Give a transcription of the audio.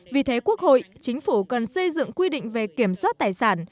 vì thế quốc hội chính phủ cần xây dựng quy định về kiểm soát tài sản